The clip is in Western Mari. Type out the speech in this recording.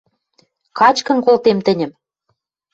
Качкын колтем тӹньӹм;